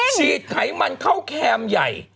ฉีดไขมันเข้าแคมใหญ่